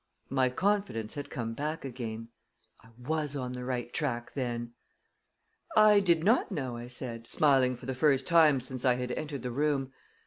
My confidence had come back again. I was on the right track, then! "I did not know," I said, smiling for the first time since I had entered the room.